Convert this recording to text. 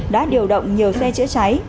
đã điều động nhiều xe chữa cháy